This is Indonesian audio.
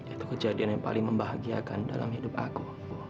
itu kejadian yang paling membahagiakan dalam hidup aku